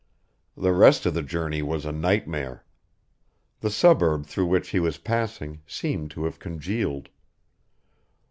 The rest of the journey was a nightmare. The suburb through which he was passing seemed to have congealed.